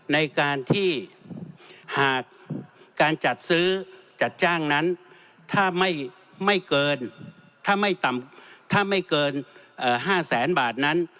ในการที่หากการจัดซื้อจัดจ้างนั้นถ้าไม่เกิน๕แสนบาทนั้น